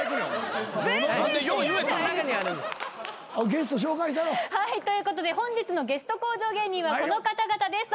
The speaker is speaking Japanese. ゲスト紹介したろう。ということで本日のゲスト向上芸人はこの方々です